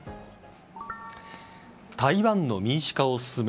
台湾の民主化を進め